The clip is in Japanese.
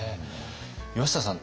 岩下さん